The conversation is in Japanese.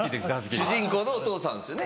主人公のお父さんですよね。